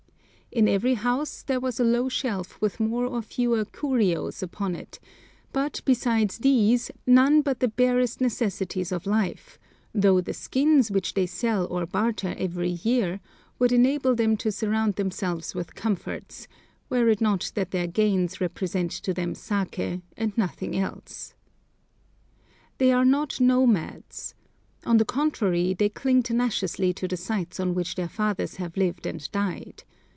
In every house there was the low shelf with more or fewer curios upon it, but, besides these, none but the barest necessaries of life, though the skins which they sell or barter every year would enable them to surround themselves with comforts, were it not that their gains represent to them saké, and nothing else. They are not nomads. On the contrary, they cling tenaciously to the sites on which their fathers have lived and died.